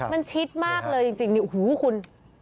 มันชิดมากเลยจริงคุณ